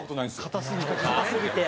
硬すぎて。